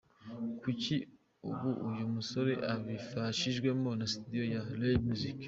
Kuri ubu uyu musore abifashijwemo na studio ya Ray Music.